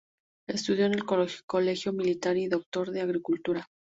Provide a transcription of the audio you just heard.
Estudió en el Colegio Militar y es doctor en Agricultura.